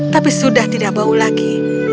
tapi sudah tidak bau lagi